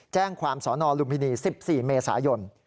แจ้งความสนลุมพินี๑๔เมษายน